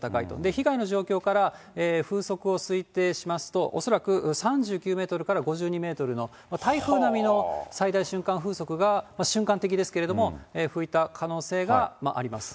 被害の状況から風速を推定しますと、恐らく３９メートルから５２メートルの台風並みの最大瞬間風速が、瞬間的ですけれども吹いた可能性があります。